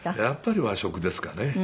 やっぱり和食ですかね。